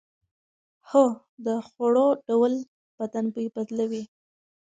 هو، د خوړو ډول بدن بوی بدلوي.